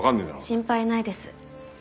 心配ないです。